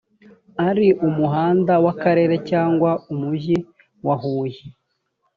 ari umuhanda w akarere cyangwa umujyi wahuye